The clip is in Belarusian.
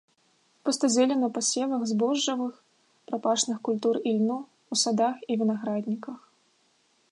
Пустазелле на пасевах збожжавых, прапашных культур і льну, у садах і вінаградніках.